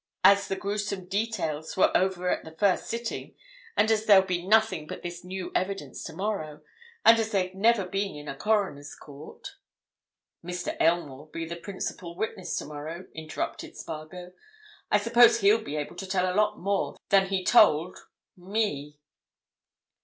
As the gruesome details were over at the first sitting, and as there'll be nothing but this new evidence tomorrow, and as they've never been in a coroner's court——" "Mr. Aylmore'll be the principal witness tomorrow," interrupted Spargo. "I suppose he'll be able to tell a lot more than he told—me."